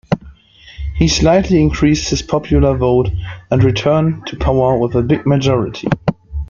He slightly increased his popular vote and returned to power with a big majority.